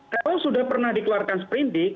kalau sudah pernah dikeluarkan sprint dig